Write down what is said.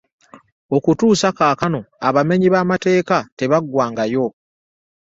Okutuusa kakaano abamenyi b'amateeka tebaggwangayo.